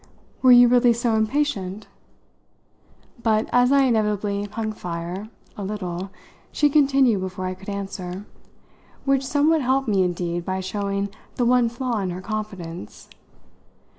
"Were you really so impatient?" But as I inevitably hung fire a little she continued before I could answer; which somewhat helped me indeed by showing the one flaw in her confidence.